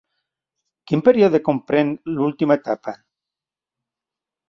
Quin període comprèn l'última etapa?